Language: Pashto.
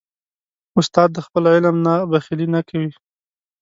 استاد د خپل علم نه بخیلي نه کوي.